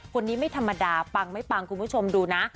คนนี้ไม่ธรรมดาปังไม่ปังคุณผู้ชมดูนะ